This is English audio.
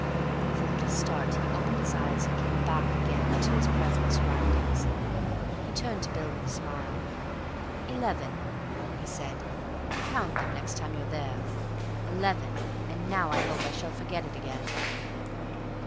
With a little start he opened his eyes and came back again to his present surroundings. He turned to Bill with a smile. "Eleven," he said. "Count them the next time you're there. Eleven and now I hope I shall forget it again."